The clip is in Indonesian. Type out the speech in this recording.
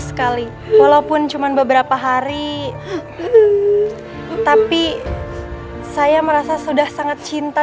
sekali walaupun cuma beberapa hari tapi saya merasa sudah sangat cinta